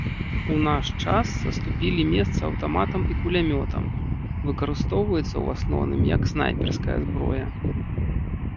У наш час саступілі месца аўтаматам і кулямётам, выкарыстоўваюцца ў асноўным як снайперская зброя.